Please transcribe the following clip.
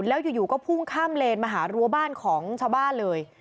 แล้วอยู่ก็พุ่งข้ามเลนมาหารั้วบ้านของชาวบ้านเลย